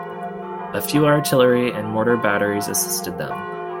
A few artillery and mortar batteries assisted them.